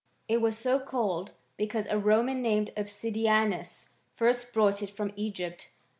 It was so called because a Roman named Obsidianus first brought it from Egypt.